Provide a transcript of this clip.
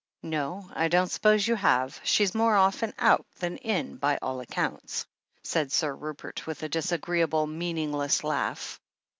"No, I don't suppose you have. She's more often out than in, by all accounts," said Sir Rupert, with a disagreeable, meaningless laugh.